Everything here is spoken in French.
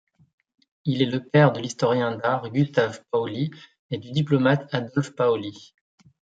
Il est le père de l'historien d'art Gustav Pauli et du diplomate Adolf Pauli.